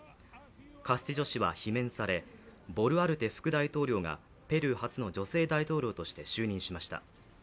カスティジョ氏は罷免されボルアルテ副大統領がペルー初の女性大統領として就任しました。